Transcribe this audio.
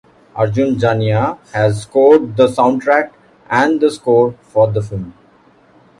Arjun Janya has scored the soundtrack and score for the film.